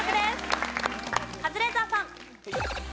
カズレーザーさん。